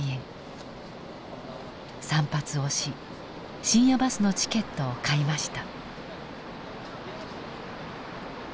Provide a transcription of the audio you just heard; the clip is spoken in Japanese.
散髪をし深夜バスのチケットを買いました。